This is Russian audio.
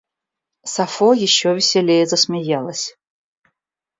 Сафо еще веселее засмеялась.